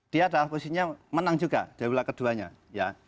dia dalam posisinya menang juga dari pula keduanya ya